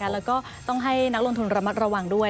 แล้วก็ต้องให้นักลงทุนระมัดระวังด้วย